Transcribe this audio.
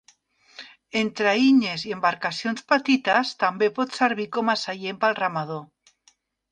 En traïnyes i embarcacions petites també pot servir com a seient pel remador.